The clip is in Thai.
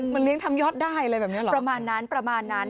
มันเลี้ยงทำยอดได้เลยประมาณนั้น